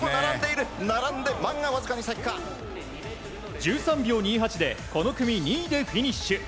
１３秒２８でこの組２位でフィニッシュ。